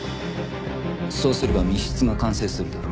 そうすれば密室が完成するだろ？